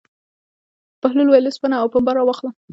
بهلول وویل: اوسپنه او پنبه واخله.